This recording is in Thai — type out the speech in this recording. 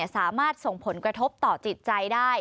สามารถส่งผลกระทบต่อจิตใจได้